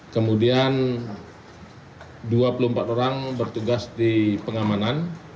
kemudian dua puluh empat orang bertugas di pengamanan